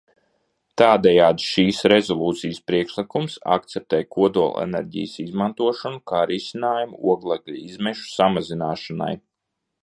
Tādējādi šis rezolūcijas priekšlikums akceptē kodolenerģijas izmantošanu kā risinājumu oglekļa izmešu samazināšanai.